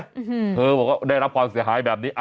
อืมเธอบอกว่าได้รับความเสียหายแบบนี้